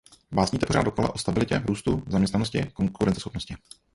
Básníte pořád dokola o stabilitě, růstu, zaměstnanosti, konkurenceschopnosti.